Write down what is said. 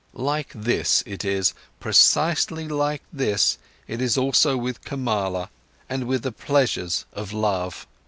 Like this it is, precisely like this it is also with Kamala and with the pleasures of love.